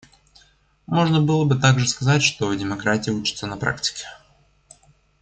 Можно было бы также сказать, что демократия учится на практике.